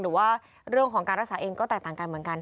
หรือว่าเรื่องของการรักษาเองก็แตกต่างกันเหมือนกัน